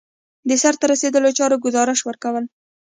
د سرته رسیدلو چارو ګزارش ورکول.